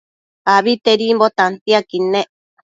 Abitedimbo tantiaquid nec